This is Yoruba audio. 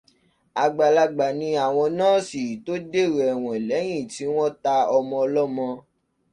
Àgbàlagbà ni àwọn nọ́ọ̀sì tó dèrò ẹ̀wọ̀n lẹ́yìn tí wọ́n ta ọmọ ọlọ́mọ